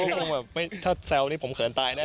ก็คงแบบถ้าแทรว์อันนี้ผมเขินตายน่า